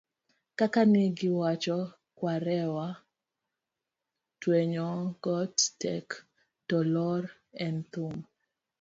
kaka ne giwacho kwarewa, twenyo got tek to lor en thum